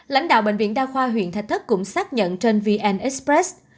lãnh đạo bệnh viện đa khoa huyện thạch thất cũng xác nhận trên vn express